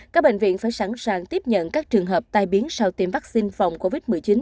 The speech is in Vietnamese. các bệnh viện phải sẵn sàng tiếp nhận các trường hợp tai biến sau tiêm vaccine phòng covid một mươi chín